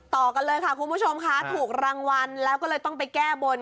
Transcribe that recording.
ต่อกันเลยค่ะคุณผู้ชมค่ะถูกรางวัลแล้วก็เลยต้องไปแก้บน